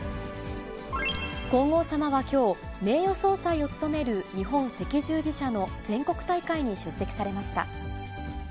皇后さまはきょう、名誉総裁を務める日本赤十字社の全国大会に出席されました。